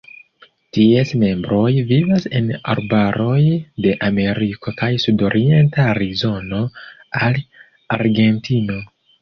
Ties membroj vivas en arbaroj de Ameriko el sudorienta Arizono al Argentino.